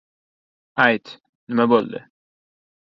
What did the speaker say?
Ayt, nima bo‘ldi?l